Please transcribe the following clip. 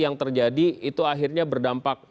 yang terjadi itu akhirnya berdampak